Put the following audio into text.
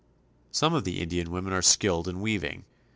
Some of the Indian women are skilled in weaving.